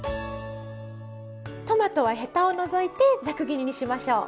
トマトはヘタを除いてざく切りにしましょう。